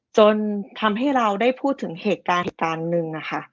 จนทำให้เราได้พูดถึงเหตุการณ์หนึ่ง